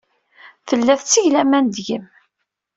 Tella tetteg laman deg-m.